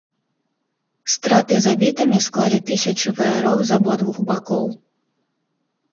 Страты забітымі склалі тысячы ваяроў з абодвух бакоў.